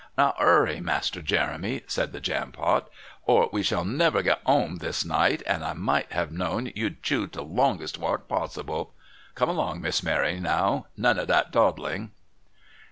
"Now 'urry, Master Jeremy," said the Jampot, "or we shall never get 'ome this night, and I might have known you'd choose the longest walk possible. Come along, Miss Mary, now none of that dawdling."